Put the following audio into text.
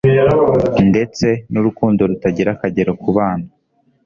ndetse n'urukundo rutagira akagero ku bana